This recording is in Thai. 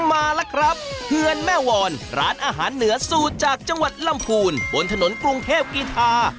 มาแล้วครับเฮือนแม่วรร้านอาหารเหนือสูตรจากจังหวัดลำพูนบนถนนกรุงเทพกีธา